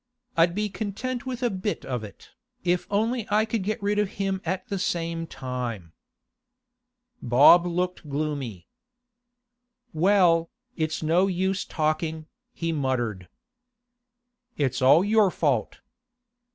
'I'd be content with a bit of it, if only I could get rid of him at the same time.' Bob looked gloomy. 'Well, it's no use talking,' he muttered. 'It's all your fault.